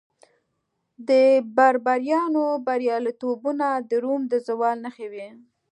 د بربریانو بریالیتوبونه د روم د زوال نښې وې